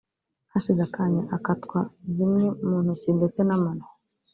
hashize akanya akatwa zimwe mu ntoki ndetse n’amano